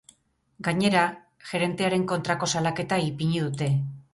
Gainera, gerentearen kontrako salaketa ipini dute.